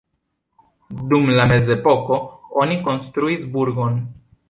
Dum la mezepoko oni konstruis burgon.